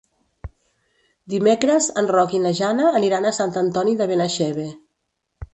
Dimecres en Roc i na Jana aniran a Sant Antoni de Benaixeve.